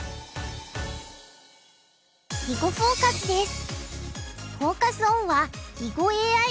「囲碁フォーカス」です。